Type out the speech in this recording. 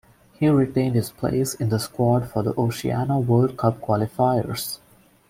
He retained his place in the squad for the Oceania World Cup qualifiers.